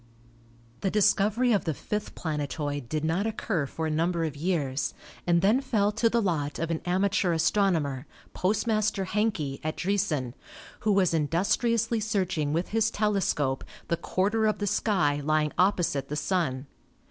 The discovery of the fifth planetoid did not occur for a number of years and then fell to the lot of an amateur astronomer, Postmaster Hencke, at Driessen, who was in dustriously searching with his telescope the quarter of the sky lying opposite the Sun.